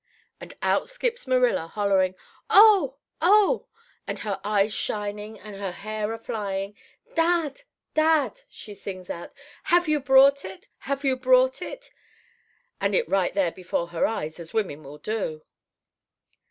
And out skips Marilla, hollering, 'Oh, oh!' with her eyes shining and her hair a flying. 'Dad—dad,' she sings out, 'have you brought it—have you brought it?'—and it right there before her eyes, as women will do.